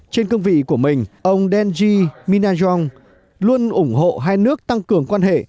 trên công vị của mình ông denzi minanwong luôn ủng hộ hai nước tăng cường quan hệ